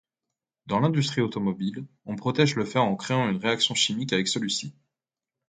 Dans l'industrie automobile, on protège le fer en créant une réaction chimique avec celui-ci.